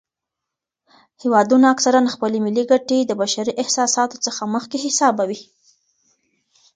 هیوادونه اکثراً خپلې ملي ګټې د بشري احساساتو څخه مخکې حسابوي.